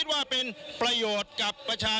ชูเว็ดตีแสดหน้า